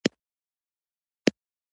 هګۍ د سړو په موسم کې ډېر خوړل کېږي.